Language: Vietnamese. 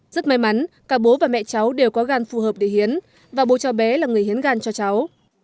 rất may mắn cả bố và mẹ cháu đều có gan phù hợp để hiến và bố cháu bé là người hiến gan cho cháu